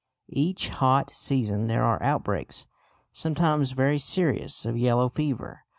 Each hot season there are outbreaks, sometimes very serious, of yellow fever.